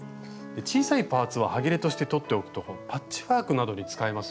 小さいパーツははぎれとしてとっておくとパッチワークなどに使えますよね。